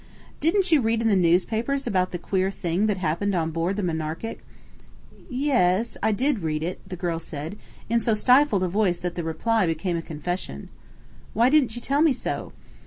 "Didn't you read in the newspapers about the queer thing that happened on board the Monarchic?" "Ye es, I did read it," the girl said, in so stifled a voice that the reply became a confession. "Why didn't you tell me so?"